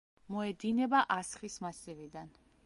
მოედინება ასხის მასივიდან.